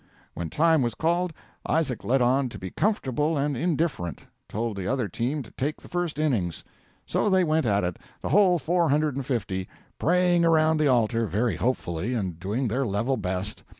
When time was called, Isaac let on to be comfortable and indifferent; told the other team to take the first innings. So they went at it, the whole four hundred and fifty, praying around the altar, very hopefully, and doing their level best.